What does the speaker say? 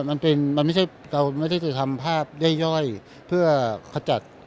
เราไม่ได้ทำภาพย่อยเพื่อขจัด